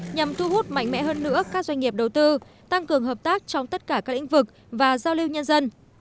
nhằm thu hút mạnh mẽ hơn nữa các doanh nghiệp đầu tư tăng cường hợp tác trong tất cả các lĩnh vực và giao lưu nhân dân